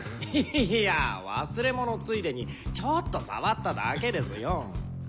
いや忘れ物ついでにちょっと触っただけですよ。